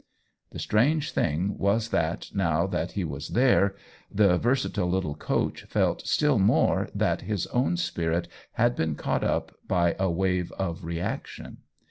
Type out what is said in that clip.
The strange thing was that, now that he was there, the versa tile little coach felt still more that his own spirit had been caught up by a wave of reaction.